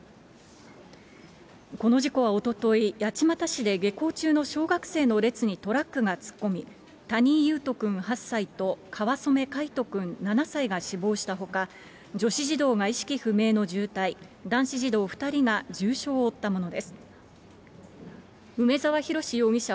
この事故はおととい、八街市で下校中の小学生の列にトラックが突っ込み、谷井ゆうと君８歳と、かわそねかいと君７歳が死亡したほか、女子児童が意識不明の重体、男子児童２人が重傷を負ったものです。